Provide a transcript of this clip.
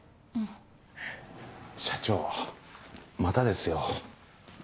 社長またですよ。